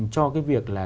cho cái việc là